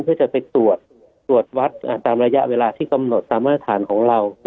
เพื่อจะไปตรวจตรวจวัดตามระยะเวลาที่กำหนดตามมาตรฐานของเรา